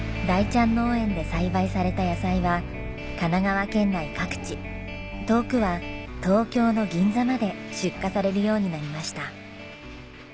大ちゃん農園で栽培された野菜は神奈川県内各地遠くは東京の銀座まで出荷されるようになりました。